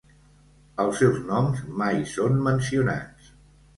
Els seus noms mai són mencionats.